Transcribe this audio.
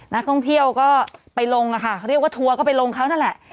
นักท่องเที่ยวก็ไปลงอะค่ะเขาเรียกว่าทัวร์ก็ไปลงเขานั่นแหละ